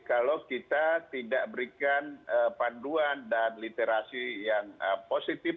kalau kita tidak berikan panduan dan literasi yang positif